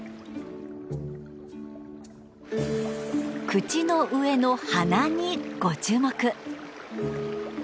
口の上の鼻にご注目。